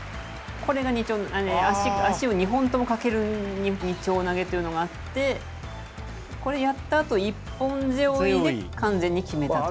これが２丁、足を２本かけるんで２丁投げというのがあって、これやったあと、一本背負いで完全に決めたと。